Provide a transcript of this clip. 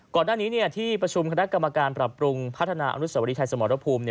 ก่อนหน้านี้ที่ประชุมคณะกรรมการปรับปรุงพัฒนาอันุสาวรีไทยสมรพภูมิ